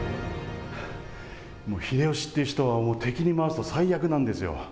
秀吉っていう人は敵に回すと最悪なんですよ。